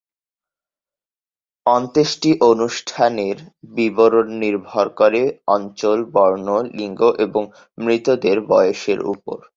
অন্ত্যেষ্টি অনুষ্ঠানের বিবরণ নির্ভর করে অঞ্চল, বর্ণ, লিঙ্গ এবং মৃতদের বয়সের উপর।